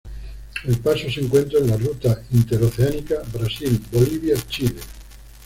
El paso se encuentra en la Ruta interoceánica Brasil-Bolivia-Chile.